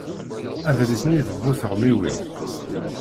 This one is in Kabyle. Adlis-nni d bu teɣmiwin.